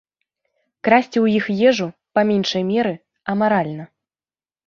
Красці ў іх ежу, па меншай меры, амаральна.